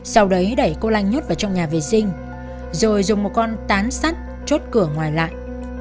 sau đấy đẩy cô lanh nhốt vào trong nhà vệ sinh rồi dùng một con tán sắt chốt cửa ngoài lại